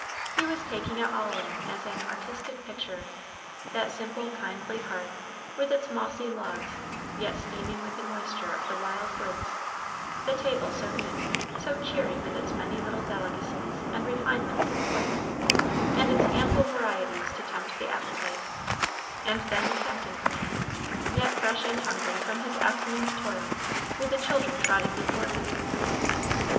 He was taking it all in as an artistic picture that simple, kindly hearth, with its mossy logs, yet steaming with the moisture of the wild woods; the table so neat, so cheery with its many little delicacies, and refinements of appointment, and its ample varieties to tempt the appetite; and then the Captain coming in, yet fresh and hungry from his afternoon's toil, with the children trotting before him.